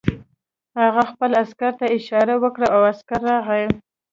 هغه خپل عسکر ته اشاره وکړه او عسکر راغی